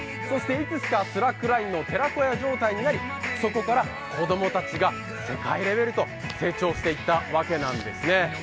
そしていつしかスラックラインの寺子屋状態となりそこから子供たちが世界レベルへと成長していったわけなんですね。